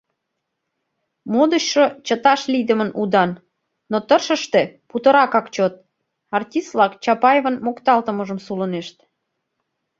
Модычшо чыташ лийдымын удан, но тыршыште путыракак чот: артист-влак Чапаевын мокталтымыжым сулынешт...